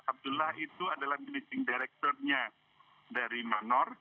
abdullah itu adalah mining directornya dari manor